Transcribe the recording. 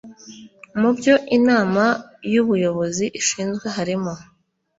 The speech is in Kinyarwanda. mu byo inama y ubuyobozi ishinzwe harimo